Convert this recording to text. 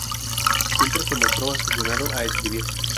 Siempre se mostró aficionado a escribir.